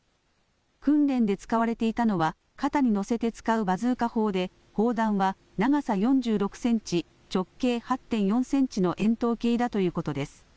訓練で使われていたのは、肩に乗せて使うバズーカ砲で、砲弾は長さ４６センチ、直径８．４センチの円筒形だということです。